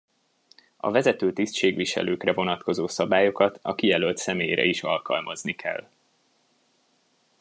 A vezető tisztségviselőkre vonatkozó szabályokat a kijelölt személyre is alkalmazni kell.